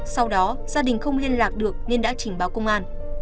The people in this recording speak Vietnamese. sau đó gia đình không liên lạc được nên đã trình báo công an